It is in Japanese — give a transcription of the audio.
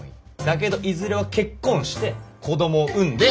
だけどいずれは結婚して子供を産んで。